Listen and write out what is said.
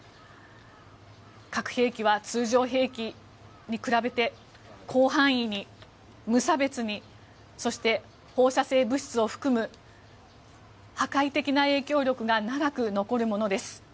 核兵器は通常兵器に比べて広範囲に無差別にそして放射性物質を含む破壊的な影響力が長く残るものです。